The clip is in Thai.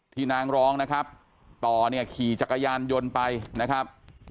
ที่นางร้องนะครับต่อขี่จักรยานยนต์ไปนะครับ